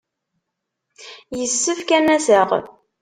Yessefk ad n-aseɣ.